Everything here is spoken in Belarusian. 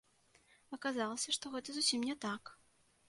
Аказалася, што гэта зусім не так.